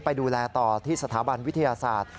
ไปดูแลต่อที่สถาบันวิทยาศาสตร์